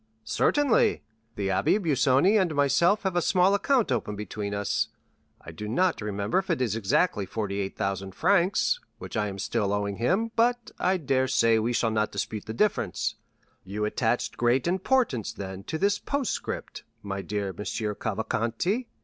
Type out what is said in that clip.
"Certainly; the Abbé Busoni and myself have a small account open between us. I do not remember if it is exactly 48,000 francs, which I am still owing him, but I dare say we shall not dispute the difference. You attached great importance, then, to this postscript, my dear Monsieur Cavalcanti?"